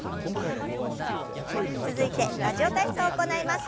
続いて「ラジオ体操」を行います。